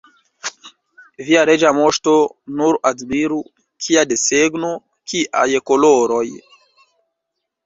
Via Reĝa Moŝto nur admiru, kia desegno, kiaj koloroj!